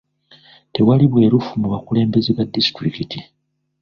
Tewali bwerufu mu bakulembeze ba disitulikiti.